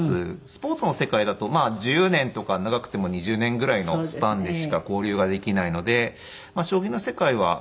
スポーツの世界だと１０年とか長くても２０年ぐらいのスパンでしか交流ができないので将棋の世界はそうですね。